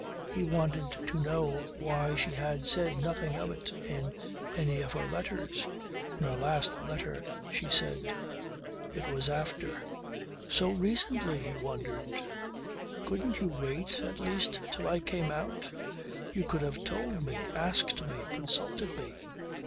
He wanted to know why she had said nothing of it in any of her letters; in her last letter. She said: "It was after." "So recently!" he wondered. "Couldn't you wait at least till I came out? You could have told me; asked me; consulted me!